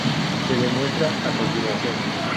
Se demuestra a continuación.